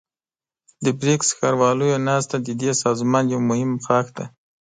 د بريکس ښارواليو ناسته ددې سازمان يو مهم ښاخ دی.